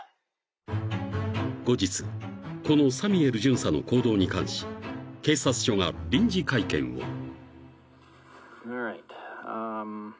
［後日このサミエル巡査の行動に関し警察署が臨時会見を］